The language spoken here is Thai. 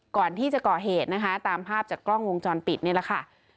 ก่อนที่จะก่อเหตุนะคะตามภาพจากกล้องวงจรปิดนี่แหละค่ะ